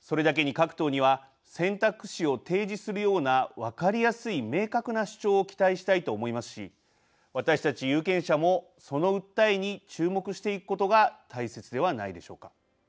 それだけに各党には選択肢を提示するような分かりやすい明確な主張を期待したいと思いますし私たち有権者もその訴えに注目していくことが大切ではないでしょうか。